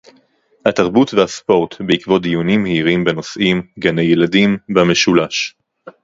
התרבות והספורט בעקבות דיונים מהירים בנושאים: גני-ילדים במשולש